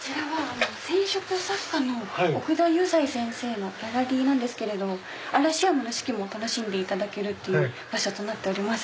染色作家の奥田祐斎先生のギャラリーなんですけれども嵐山の四季も楽しんでいただける場所となっております。